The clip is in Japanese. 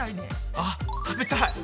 あっ食べたい！